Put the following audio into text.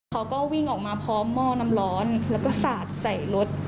เขาก็วิ่งออกมาพร้อมหม้อน้ำร้อนแล้วก็สาดใส่รถ